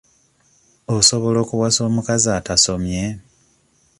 Osobola okuwasa omukazi atasomye?